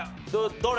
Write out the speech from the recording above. どれ？